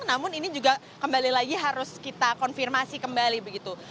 namun ini juga kembali lagi harus kita konfirmasi kembali begitu